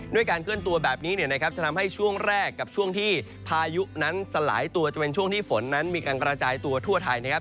การเคลื่อนตัวแบบนี้เนี่ยนะครับจะทำให้ช่วงแรกกับช่วงที่พายุนั้นสลายตัวจะเป็นช่วงที่ฝนนั้นมีการกระจายตัวทั่วไทยนะครับ